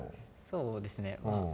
そうですね。